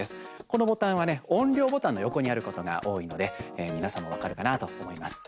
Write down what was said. このボタンは音量ボタンの横にあることが多いので皆さんも分かるかなと思います。